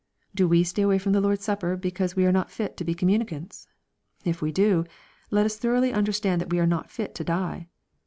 — Do we stay away from the Lord's Supper be cause we are not fit to be communicants ? If we do, let us thoroughly understand that we are not fit to die.